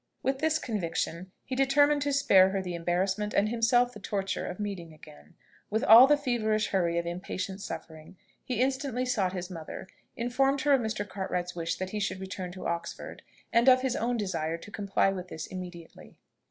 With this conviction, he determined to spare her the embarrassment and himself the torture of meeting again. With all the feverish hurry of impatient suffering, he instantly sought his mother; informed her of Mr. Cartwright's wish that he should return to Oxford, and of his own desire to comply with this immediately.